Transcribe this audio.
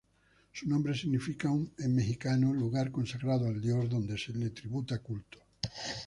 Su nombre significa en mexicano "Lugar consagrado al Dios, donde se le tributa culto".